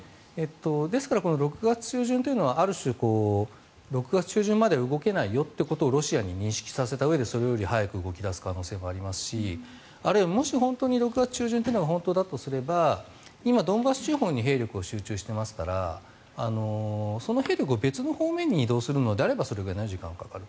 ですから６月中旬というのは６月中旬まで動けないよということをロシアに認識させたうえでそれより早く動き出す可能性がありますしあるいはもし本当に６月中旬が本当だとしたら今ドンバス地方に兵力を集中していますからその兵力を別方面に移動するのであればそのぐらい時間がかかる。